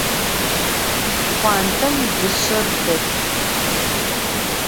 Pxhuantem dışser delh.